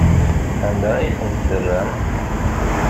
Anda ay tent-terram?